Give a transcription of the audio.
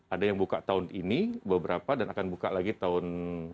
ada yang buka tahun ini beberapa dan akan buka lagi tahun dua ribu dua puluh